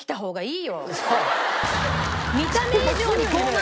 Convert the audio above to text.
見た目以上に傲慢！